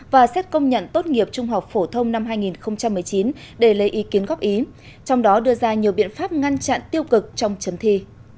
và xét công nhận tốt nghiệp trung học phổ thông năm hai nghìn một mươi chín để lấy ý kiến góp ý trong đó đưa ra nhiều biện pháp ngăn chặn tiêu cực trong chấm thi